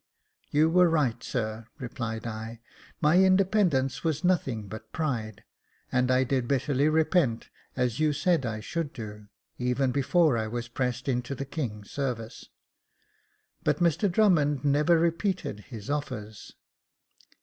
"You were right, sir," replied I; *' my independence was nothing but pride ; and I did bitterly repent, as you said I should do, even before I was pressed into the king's service — but Mr Drummond never repeated his offers."